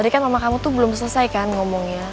tadi kan mama kamu tuh belum selesai kan ngomongnya